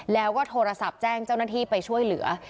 แล้วก็โทรศัพท์แจ้งเจ้าหน้าที่ไปช่วยเหลือ